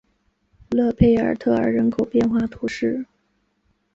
勒佩尔特尔人口变化图示